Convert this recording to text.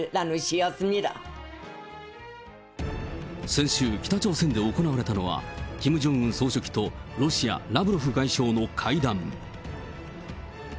先週、北朝鮮で行われたのは、キム・ジョンウン総書記とロシア、ラブロフ外相の会談。